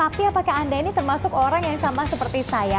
tapi apakah anda ini termasuk orang yang sama seperti saya